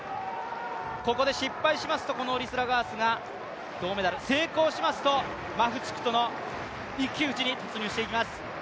ここで失敗しますとオリスラガースが銅メダル成功しますとマフチクとの一騎打ちに突入していきます。